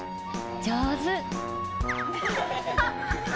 上手。